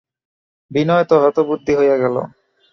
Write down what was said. বিনয় তো হতবুদ্ধি হইয়া গেল।